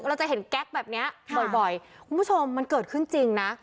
เราจะเห็นแก๊กแบบเนี้ยบ่อยคุณผู้ชมมันเกิดขึ้นจริงนะ